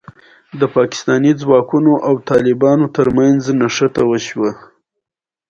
ښه نوم جوړول وخت غواړي.